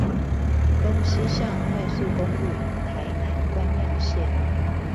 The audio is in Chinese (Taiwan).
東西向快速公路台南關廟線